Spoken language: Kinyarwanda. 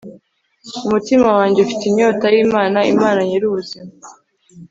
umutima wanjye ufite inyota y'imana, imana nyir'ubuzima